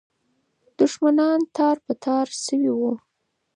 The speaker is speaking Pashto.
دښمنان تار په تار سوي وو.